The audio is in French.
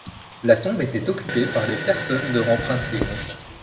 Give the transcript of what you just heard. La tombe était occupée par des personnes de rang princier.